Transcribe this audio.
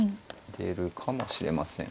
出るかもしれません。